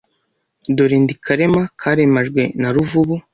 Dore ndi Karema karemajwe na Ruvubu